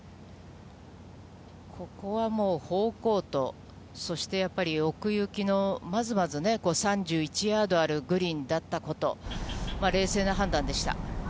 ここはもう、方向と、そしてやっぱり、奥行きのまずまずね、３１ヤードあるグリーンだったこと、冷静な判断でした。